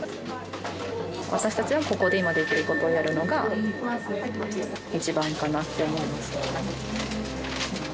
私たちはここで今できることをやるのが、一番かなと思うんですけれども。